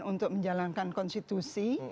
untuk menjalankan konstitusi